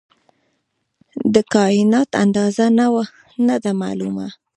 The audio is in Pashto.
د کائنات اندازه نه ده معلومه.